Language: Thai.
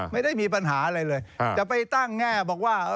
ไม่ได้มีปัญหาอะไรเลยจะไปตั้งแง่บอกว่า